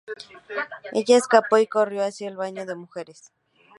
Ella escapó y corrió hacia el baño de mujeres.